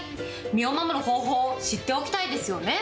身を守る方法を知っておきたいですよね。